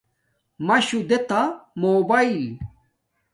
مشو دے تا موباݵل